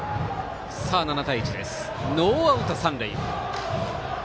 ７対１、ノーアウト、三塁。